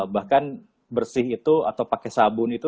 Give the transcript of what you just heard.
bahkan bersih itu atau pakai sabun itu